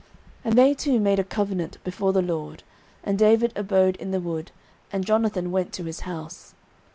09:023:018 And they two made a covenant before the LORD: and David abode in the wood, and Jonathan went to his house.